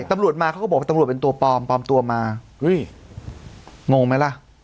ตำรวจมาเขาก็บอกว่าตำรวจเป็นตัวปลอมปลอมตัวมาเฮ้ยงงไหมล่ะ